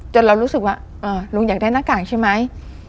เรารู้สึกว่าลุงอยากได้หน้ากากใช่ไหม